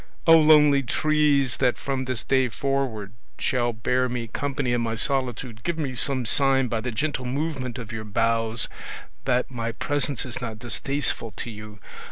Oh, lonely trees, that from this day forward shall bear me company in my solitude, give me some sign by the gentle movement of your boughs that my presence is not distasteful to you!